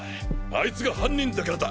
あいつが犯人だからだ！